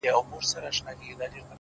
هره ستونزه د فرصت بڼه لري؛